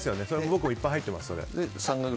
僕もいっぱい入ってます。